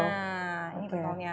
nah ini pentolnya